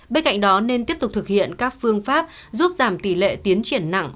bên cạnh đó nên tiếp tục thực hiện các phương pháp giúp giảm tỷ lệ tiến triển nặng